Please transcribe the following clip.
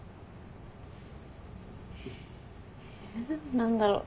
何だろう。